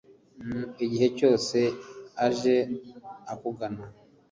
igihe cyose aje akugana